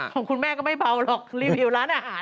ของคุณแม่ก็ไม่เบาหรอกรีวิวร้านอาหาร